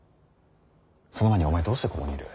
その前にお前どうしてここにいる。